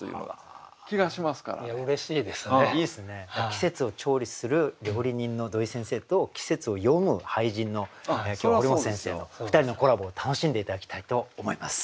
季節を調理する料理人の土井先生と季節を詠む俳人の堀本先生の２人のコラボを楽しんで頂きたいと思います。